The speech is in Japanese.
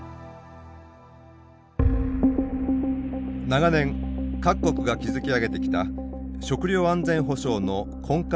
長年各国が築き上げてきた食料安全保障の根幹が揺らぐ事態